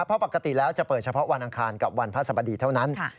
เพราะปกติแล้วจะเปิดเฉพาะวันอังคารกับวันพระสบดีเท่านั้น